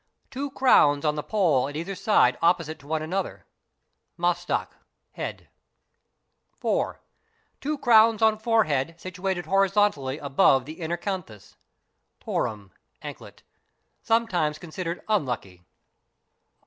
Two crowns on the poll at either side opposite to one another, (masthak—=head). 4. Two crowns on forehead situated horizontally above the inner canthus, (torwn—anklet) ; sometimes considered unlucky.